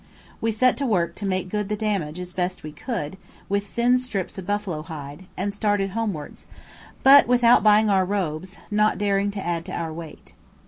We set to work to make good the damage as best we could, with thin strips of buffalo hide, and started homewards; but without buying our robes, not daring to add to our weight.